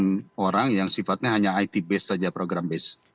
dengan orang yang sifatnya hanya it base saja program base